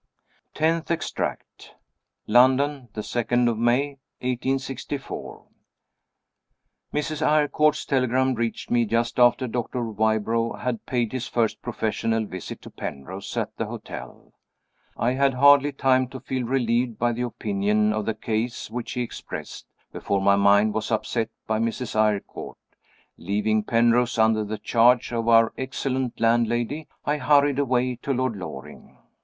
Tenth Extract. London, 2d May, 1864. Mrs. Eyrecourt's telegram reached me just after Doctor Wybrow had paid his first professional visit to Penrose, at the hotel. I had hardly time to feel relieved by the opinion of the case which he expressed, before my mind was upset by Mrs. Eyrecourt. Leaving Penrose under the charge of our excellent landlady, I hurried away to Lord Loring.